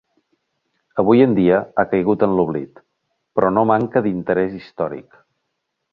Avui en dia ha caigut en l'oblit, però no manca d'interès històric.